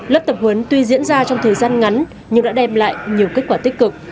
lớp tập huấn tuy diễn ra trong thời gian ngắn nhưng đã đem lại nhiều kết quả tích cực